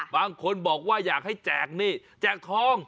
บางคนบอกว่าอยากให้แจกหนี้แจกทอง